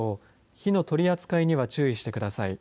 火の取り扱いには注意してください。